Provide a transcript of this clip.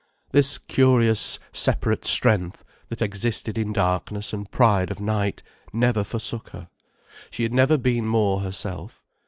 This curious separate strength, that existed in darkness and pride of night, never forsook her. She had never been more herself.